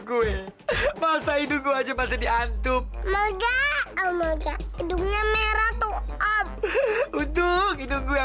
gue pas hidup aja pasti diantuk nge rap hidungnya merah tuh up untuk hidung gue